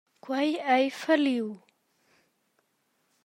Quei ei falliu.